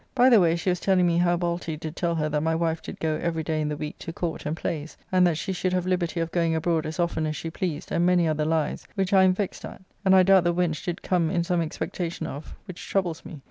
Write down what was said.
By the way she was telling me how Balty did tell her that my wife did go every day in the week to Court and plays, and that she should have liberty of going abroad as often as she pleased, and many other lies, which I am vexed at, and I doubt the wench did come in some expectation of, which troubles me.